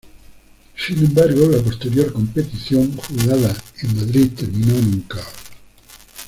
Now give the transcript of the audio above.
Sin embargo, la posterior competición, jugada en Madrid, terminó en un caos.